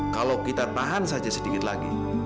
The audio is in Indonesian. kalau kita tahan saja sedikit lagi